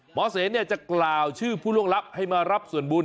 เสนจะกล่าวชื่อผู้ล่วงลับให้มารับส่วนบุญ